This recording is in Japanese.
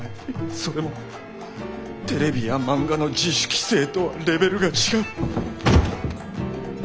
それもテレビや漫画の自主規制とはレベルが違う。